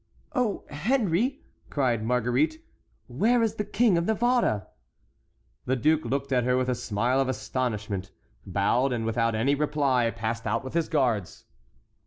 "Oh, Henry!" cried Marguerite, "where is the King of Navarre?" The duke looked at her with a smile of astonishment, bowed, and without any reply passed out with his guards.